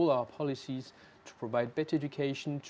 kenapa kenapa anda bersemangat